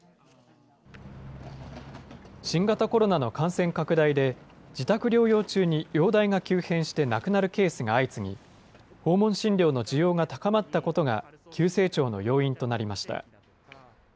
新型コロナの感染拡大で、自宅療養中に容体が急変して亡くなるケースが相次ぎ、訪問診療の需要が高まったことが急成長の要因となりました。